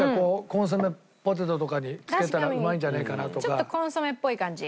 ちょっとコンソメっぽい感じ。